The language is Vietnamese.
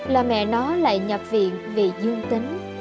là mẹ nó lại nhập viện vì dương tính